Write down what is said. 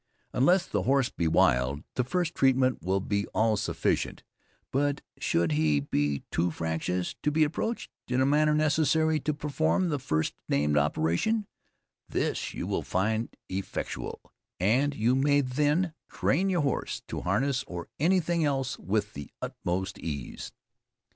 Unless the horse be wild, the first treatment will be all sufficient; but should he be too fractious to be approached in a manner necessary to perform the first named operation, this you will find effectual, and you may then train your horse to harness or anything else with the utmost ease.